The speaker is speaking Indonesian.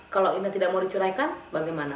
kalau ina tidak mau diceraikan bagaimana